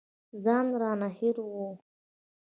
ځان رانه هېر و.